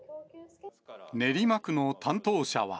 練馬区の担当者は。